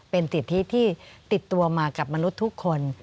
เป็นสิทธิที่ติดตัวมากับมนุษย์ทุกคน